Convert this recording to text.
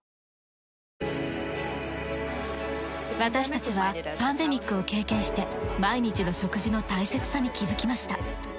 私たちはパンデミックを経験して毎日の食事の大切さに気づきました。